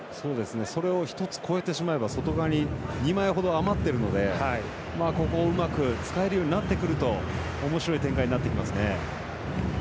それを１つ越えてしまえば外側に２枚ほど余ってるのでここ、うまく使えるようになってくるとおもしろい展開になりますね。